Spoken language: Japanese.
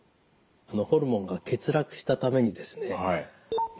ホルモンが欠落したためにですね